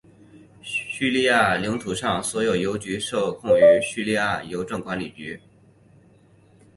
匈牙利领土上的所有邮局受控于匈牙利邮政管理局。